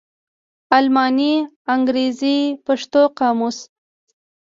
الماني _انګرېزي_ پښتو قاموس